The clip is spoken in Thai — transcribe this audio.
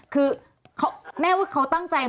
คือแม่